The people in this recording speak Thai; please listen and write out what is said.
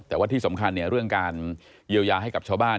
แต่ว่าที่สำคัญเนี่ยเรื่องการเยียวยาให้กับชาวบ้าน